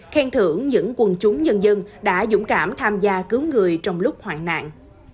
khen thưởng những quân chúng nhân dân đã dũng cảm tham gia cứu người trong lúc hoạn nạn